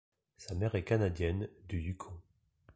Sa mère est Canadienne, du Yukon.